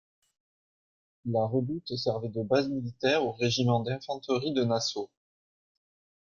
La redoute servait de base militaire au Régiment d'infanterie de Nassau.